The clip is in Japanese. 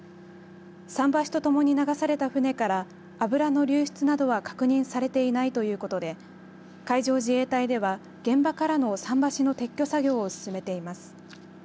桟橋とともに流された船から油の流出などは確認されていないということで海上自衛隊では現場からの桟橋の撤去作業を進めています。